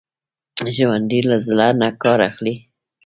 ژوندي له زړه نه کار اخلي